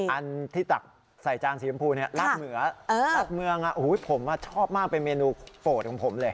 อันที่ตักใส่จานสีชมพูลาดเหนือลาดเมืองผมชอบมากเป็นเมนูโปรดของผมเลย